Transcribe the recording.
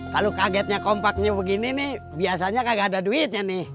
kalau kagetnya kompaknya begini nih biasanya kagak ada duitnya nih